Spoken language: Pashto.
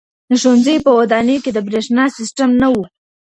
د ښوونځیو په ودانیو کي د برېښنا سیسټم نه و.